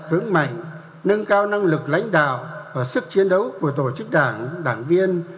vững mạnh nâng cao năng lực lãnh đạo và sức chiến đấu của tổ chức đảng đảng viên